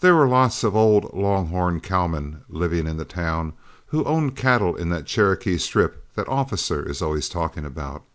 There were lots of old long horn cowmen living in the town, who owned cattle in that Cherokee Strip that Officer is always talking about.